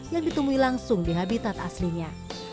yang ditemui langsung di habitat aslinya